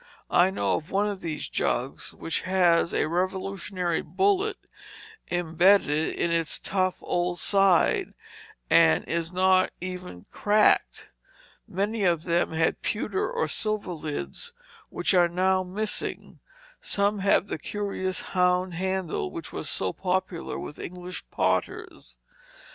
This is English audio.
I know one of these jugs which has a Revolutionary bullet imbedded in its tough old side, and is not even cracked. Many of them had pewter or silver lids, which are now missing. Some have the curious hound handle which was so popular with English potters.